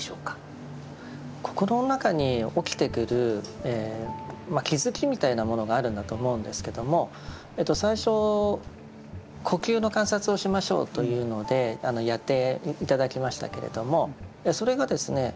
心の中に起きてくる気づきみたいなものがあるんだと思うんですけども最初呼吸の観察をしましょうというのでやって頂きましたけれどもそれがですね